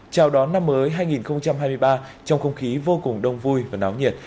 chào đón năm mới hai nghìn hai mươi ba trong không khí vô cùng đông vui và náo nhiệt